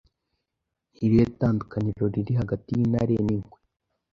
Ni irihe tandukaniro riri hagati y'intare n'ingwe?